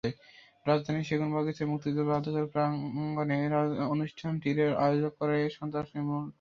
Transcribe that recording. রাজধানীর সেগুনবাগিচায় মুক্তিযুদ্ধ জাদুঘর প্রাঙ্গণে অনুষ্ঠানটির আয়োজন করে সন্ত্রাস নির্মূল ত্বকী মঞ্চ।